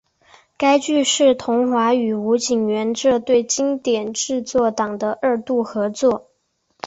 该剧是桐华与吴锦源这对经典制作档的二度合作。